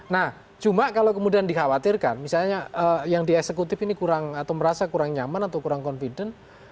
nah cuma kalau kemudian dikhawatirkan misalnya yang di eksekutif ini kurang atau merasa kurang nyaman atau kurang confident